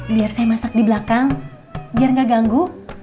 biar saya masak di belakang biar nggak ganggu